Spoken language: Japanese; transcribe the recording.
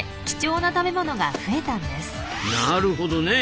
なるほどねえ。